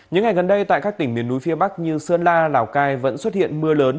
những ngày gần đây tại các tỉnh miền núi phía bắc như sơn la lào cai vẫn xuất hiện mưa lớn